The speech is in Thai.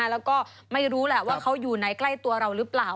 แล้วก็ไม่รู้แหละว่าเขาอยู่ในใกล้ตัวเราหรือเปล่า